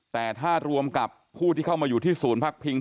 แต่ถ้ารวมกับผู้ที่เข้ามาอยู่ที่ศูนย์พักพิง